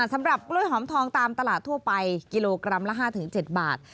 สำหรับกล้วยหอมทองตามตลาดทั่วไปกิโลกรัมละ๕๗บาท